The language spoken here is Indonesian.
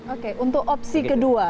oke untuk opsi kedua